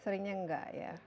seringnya enggak ya